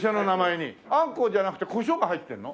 あんこじゃなくて胡椒が入ってるの？